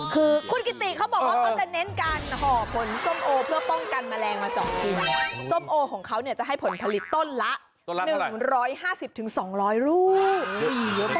คือคุณกิติเขาบอกว่าเขาจะเน้นการห่อผลส้มโอเพื่อป้องกันแมลงมา๒กิ่งส้มโอของเขาเนี่ยจะให้ผลผลิตต้นละ๑๕๐๒๐๐ลูก